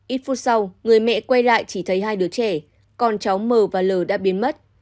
ít phút sau người mẹ quay lại chỉ thấy hai đứa trẻ con cháu m và l đã biến mất